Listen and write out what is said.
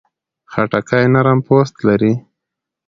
خټکی نرم پوست لري.